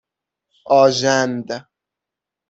آژند